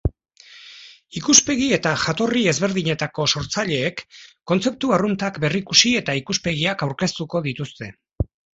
Ikuspegi eta jatorri ezberdinetako sortzaileek kontzeptu arruntak berrikusi eta ikuspegiak aurkeztuko dituzte.